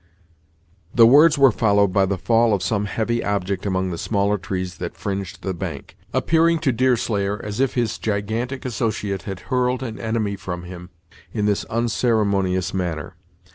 The words were followed by the fall of some heavy object among the smaller trees that fringed the bank, appearing to Deerslayer as if his gigantic associate had hurled an enemy from him in this unceremonious manner.